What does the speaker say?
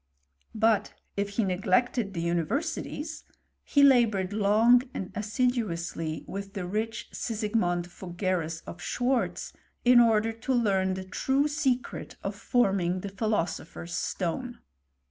But if he neglected the univer sities, he laboured long and assiduously with the rich Sigismond Fuggerus, of Schwartz, in order to leant the true secret of forming the philosopher's stone.